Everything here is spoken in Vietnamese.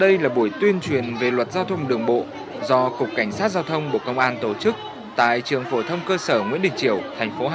đây là buổi tuyên truyền về luật giao thông đường bộ do cục cảnh sát giao thông bộ công an tổ chức tại trường phổ thông cơ sở nguyễn đình triều thành phố hà